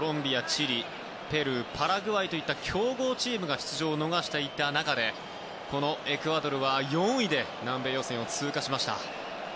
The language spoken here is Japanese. チリペルー、パラグアイといった強豪チームが出場を逃した中このエクアドルは４位で南米予選を通過しました。